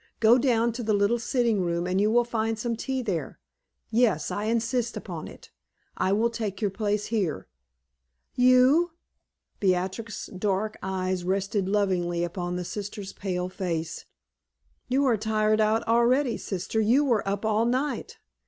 Go down to the little sitting room and you will find some tea there. Yes, I insist upon it. I will take your place here." "You?" Beatrix's dark eyes rested lovingly upon the sister's pale face. "You are tired out already, sister; you were up all night."